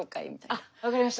あっ分かりました。